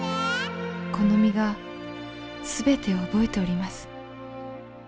この身がすべてを覚えております。